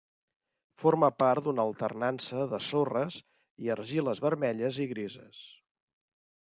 Forma part d'una alternança de sorres i argiles vermelles i grises.